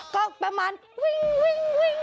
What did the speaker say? ก็ประมาณวิ่งนี่แหละค่ะ